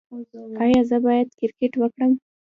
ایا زه باید کرکټ وکړم؟